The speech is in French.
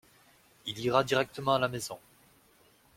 Il ira directement à la maison.